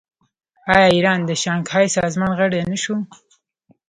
آیا ایران د شانګهای سازمان غړی نه شو؟